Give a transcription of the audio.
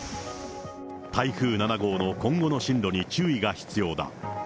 台風７号の今後の進路に注意が必要だ。